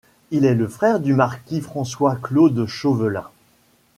Il est le frère du marquis François Claude Chauvelin.